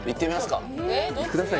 ください